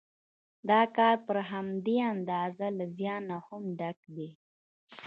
دا کار پر همدې اندازه له زیانه هم ډک دی